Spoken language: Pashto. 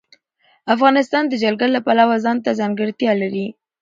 افغانستان د جلګه د پلوه ځانته ځانګړتیا لري.